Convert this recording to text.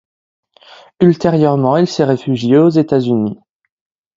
Ultérieurement il s'est réfugié aux États-Unis.